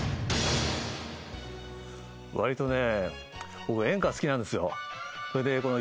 わりとね。